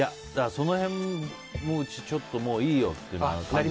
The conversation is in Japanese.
その辺もうちちょっといいよってなって。